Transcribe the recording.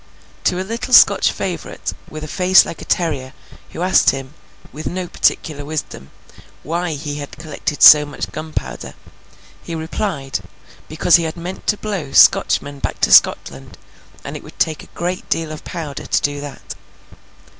To a little Scotch favourite, with a face like a terrier, who asked him (with no particular wisdom) why he had collected so much gunpowder, he replied, because he had meant to blow Scotchmen back to Scotland, and it would take a deal of powder to do that.